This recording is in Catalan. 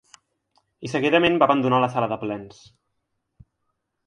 I seguidament va abandonar la sala de plens.